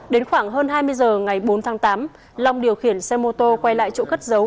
đến khoảng hơn hai mươi h ngày bốn tháng tám long điều khiển xe mô tô quay lại chỗ cất dấu